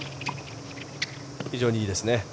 非常にいいですね。